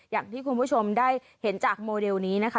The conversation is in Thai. อย่างที่คุณผู้ชมได้เห็นจากโมเดลนี้นะคะ